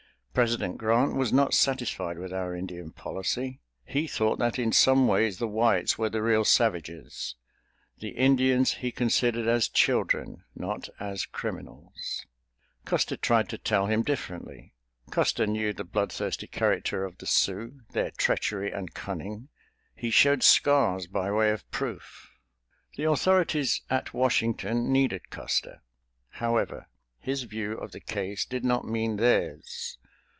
President Grant was not satisfied with our Indian policy—he thought that in some ways the Whites were the real savages. The Indians he considered as children, not as criminals. Custer tried to tell him differently. Custer knew the bloodthirsty character of the Sioux, their treachery and cunning—he showed scars by way of proof! The authorities at Washington needed Custer. However, his view of the case did not mean theirs.